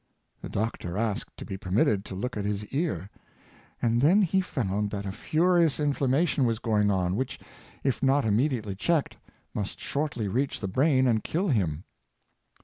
The doctor asked to Resistance to JFalseJiood. 501 be permitted to look at his ear, and then he found that a furious inflammation was going on, which, if not im mediately checked, must shortly reach the brain and kill him.